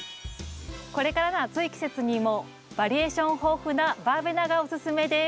これからの暑い季節にもバリエーション豊富なバーベナがおすすめです。